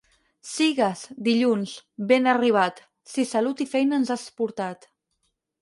Sigues, dilluns, ben arribat, si salut i feina ens has portat.